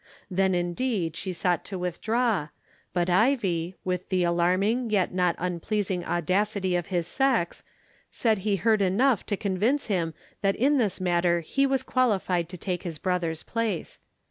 Then indeed she sought to withdraw, but Ivie, with the alarming yet not unpleasing audacity of his sex, said he had heard enough to convince him that in this matter he was qualified to take his brother's place.